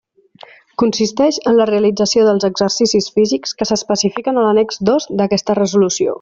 Consisteix en la realització dels exercicis físics que s'especifiquen a l'annex dos d'aquesta Resolució.